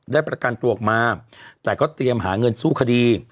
ประกันตัวออกมาแต่ก็เตรียมหาเงินสู้คดี